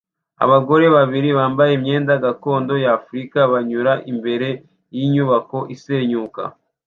Abagore babiri bambaye imyenda gakondo ya Afrika banyura imbere yinyubako isenyuka